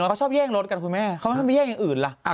เขาชอบแย่งรถกันคุณแม่เขาไม่ต้องไปแย่งอย่างอื่นล่ะ